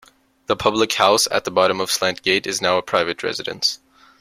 The public house, at the bottom of Slant Gate, is now a private residence.